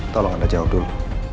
tolong anda jawab dulu